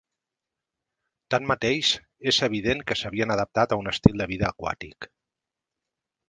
Tanmateix, és evident que s'havien adaptat a un estil de vida aquàtic.